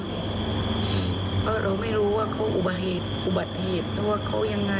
เพราะเราไม่รู้ว่าเขาอุบัติเหตุอุบัติเหตุหรือว่าเขายังไง